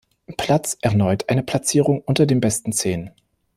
Platz erneut eine Platzierung unter den besten zehn.